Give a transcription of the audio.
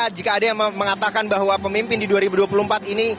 jika ada yang mengatakan bahwa pemimpin di dua ribu dua puluh empat ini